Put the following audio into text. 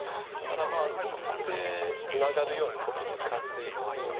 だからここでツナがるようにブツカっていく。